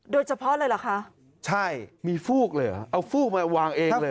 โดยเฉพาะเลยเหรอคะใช่มีฟูกเลยเหรอเอาฟูกมาวางเองเลย